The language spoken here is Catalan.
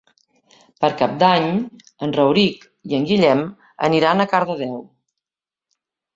Per Cap d'Any en Rauric i en Guillem aniran a Cardedeu.